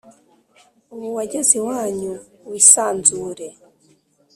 ubu wageze iwanyu wisanzure."